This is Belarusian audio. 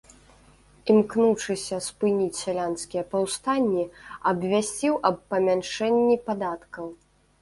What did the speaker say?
Імкнучыся спыніць сялянскія паўстанні, абвясціў аб памяншэнні падаткаў.